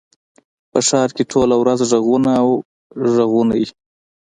په ښار کښي ټوله ورځ ږغونه او ږغونه يي.